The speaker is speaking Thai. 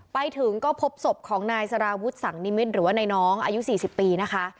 ไปถึงก็พบศพของนายสารวุฒิสังนิมิตรหรือว่าในน้องอายุ๔๐ปีนะคะ